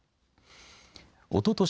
おととし